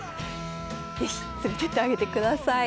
是非連れてってあげてください。